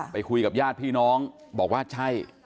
ไปคุยกับญาติพี่น้องบอกว่าใช่